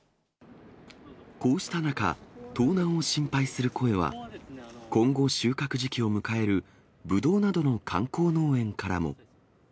こうした中、盗難を心配する声は、今後、収穫時期を迎えるブドウなどの観光農園からも。